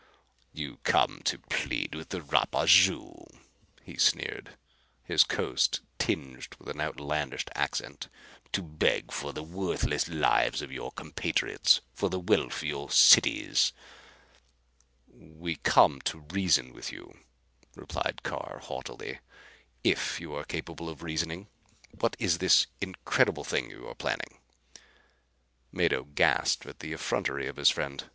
"You come to plead with Rapaju," he sneered, his Cos tinged with an outlandish accent, "to beg for the worthless lives of your compatriots; for the wealth of your cities?" "We come to reason with you," replied Carr haughtily, "if you are capable of reasoning. What is this incredible thing you are planning?" Mado gasped at the effrontery of his friend.